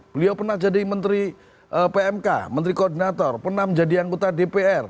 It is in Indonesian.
beliau pernah jadi menteri pmk menteri koordinator pernah menjadi anggota dpr